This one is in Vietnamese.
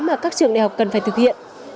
mà các trường đại học cần phải thực hiện